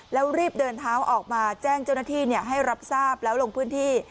แล้วรีบเดินเท้าออกมาแจ้งเจ้าหน้าที่ให้รับทราบแล้วลงพื้นที่